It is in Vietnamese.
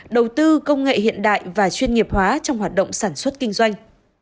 đầu tư công nghệ hiện đại và chuyên nghiệp hóa trong hoạt động sản xuất kinh doanh